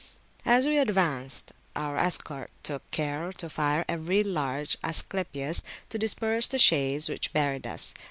As we advanced, our escort took care to fire every large dry Asclepias, to disperse the shades which buried us.